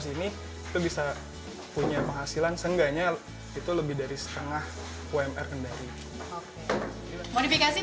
sini itu bisa punya penghasilan seenggaknya itu lebih dari setengah umr kendari modifikasi